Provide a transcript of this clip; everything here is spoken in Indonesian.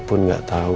aku gak mau